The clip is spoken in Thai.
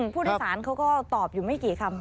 ผู้โดยสารเขาก็ตอบอยู่ไม่กี่คำ